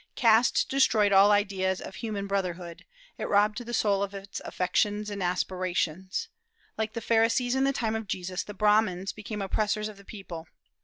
Caste destroyed all ideas of human brotherhood; it robbed the soul of its affections and its aspirations. Like the Pharisees in the time of Jesus, the Brahmans became oppressors of the people.